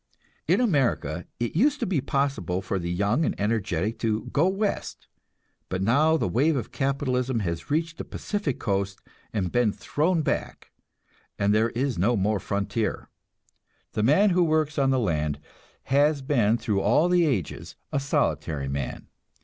In America it used to be possible for the young and energetic to "go West"; but now the wave of capitalism has reached the Pacific coast and been thrown back, and there is no more frontier. The man who works on the land has been through all the ages a solitary man.